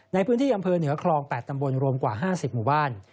ในพื้นที่อำเภอเหนือคลอง๘ตำบลรวมกว่า๕๐หมู่บ้าน